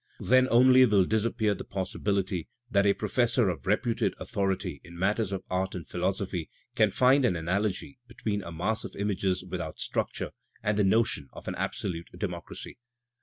Then only will disappear the possibility that a professor of reputed authority in matters of art and philosophy can find an analogy *' between a mass of images without structure and the notion of an absolute de mocracy."